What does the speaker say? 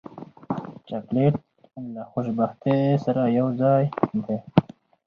چاکلېټ له خوشبختۍ سره یوځای دی.